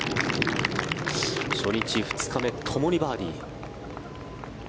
初日、２日目ともにバーディー。